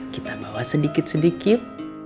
kita bawa sedikit sedikit